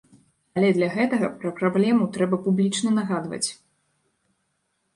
Але для гэтага пра праблему трэба публічна нагадваць.